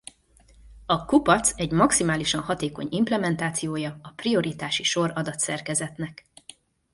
A kupac egy maximálisan hatékony implementációja a prioritási sor adatszerkezetnek.